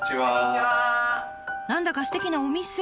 何だかすてきなお店。